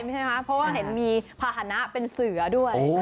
เพราะว่าเห็นมีภาษณะเป็นเสือด้วย